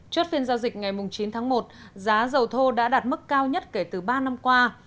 chốt phiên giao dịch ngày chín tháng một giá dầu thô đã đạt mức cao nhất kể từ ba năm qua